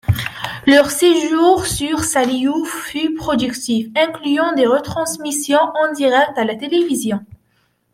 Leur séjour sur Saliout fut productif, incluant des retransmissions en direct à la télévision.